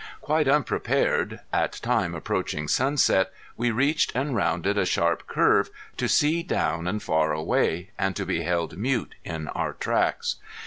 Quite unprepared, at time approaching sunset, we reached and rounded a sharp curve, to see down and far away, and to be held mute in our tracks.